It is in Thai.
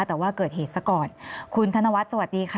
แต่ว่าเกิดเหตุซะก่อนคุณธนวัฒน์สวัสดีค่ะ